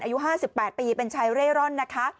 อายุ๕๘ปีเป็นชายเร่้ร่อน